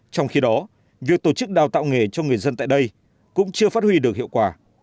trong khi đó việc tổ chức đào tạo nghề cho người dân tại đây cũng chưa phát huy được hiệu quả